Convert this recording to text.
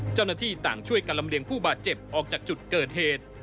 เจ้าหน้าที่ต่างช่วยกันลำเลียงผู้บาดเจ็บออกจากจุดเกิดเหตุ